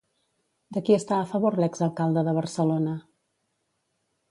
De qui està a favor l'exalcalde de Barcelona?